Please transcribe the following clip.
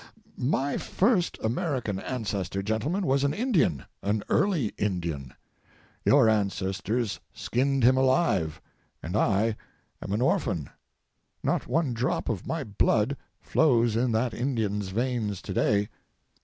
My first American ancestor, gentlemen, was an Indian—an early Indian. Your ancestors skinned him alive, and I am an orphan. Not one drop of my blood flows in that Indian's veins today.